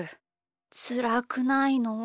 つらくないの？